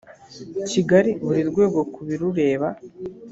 kigali buri rwego ku birureba